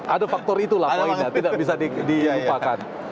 ada faktor itulah poinnya tidak bisa dilupakan